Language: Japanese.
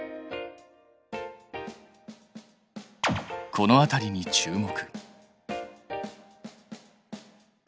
この辺りに注目。